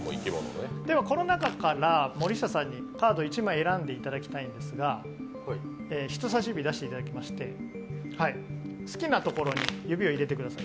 ではこの中から森下さんにカード１枚、選んでもらいたいんですが、人さし指出していただきまして好きなところに指を入れてください。